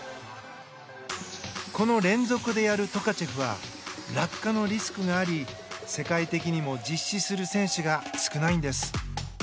この連続でやるトカチェフは落下のリスクがあり世界的にも実施する選手が少ないんです。